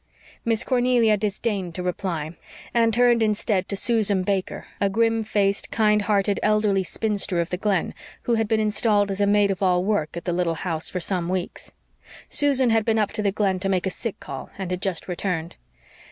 Miss Cornelia disdained to reply and turned instead to Susan Baker, a grim faced, kind hearted elderly spinster of the Glen, who had been installed as maid of all work at the little house for some weeks. Susan had been up to the Glen to make a sick call, and had just returned.